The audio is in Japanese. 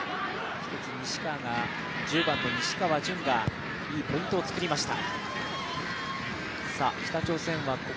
１０番の西川潤がいいポイントを作りました。